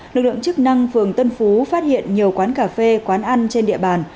lực lượng chức năng phường tân phú phát hiện nhiều quán cà phê quán ăn trên địa bàn